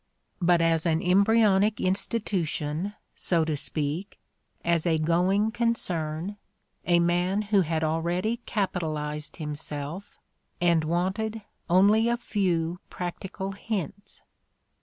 — ^but as an embryonic institution, so to speak, as a "going concern," a man who had already capitalized himself and wanted only a few practical hints.